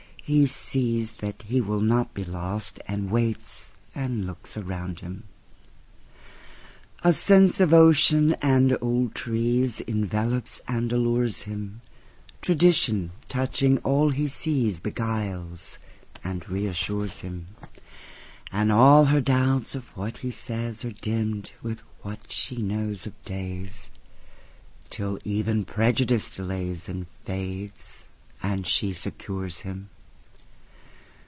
—He sees that he will not be lost, And waits and looks around him.A sense of ocean and old treesEnvelops and allures him; Tradition, touching all he sees, Beguiles and reassures him; And all her doubts of what he saysAre dimmed with what she knows of days—Till even prejudice delaysAnd fades, and she secures him.